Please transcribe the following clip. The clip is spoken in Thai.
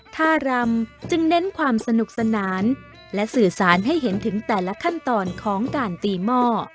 ท่ารำจึงเน้นความสนุกสนานและสื่อสารให้เห็นถึงแต่ละขั้นตอนของการตีหม้อ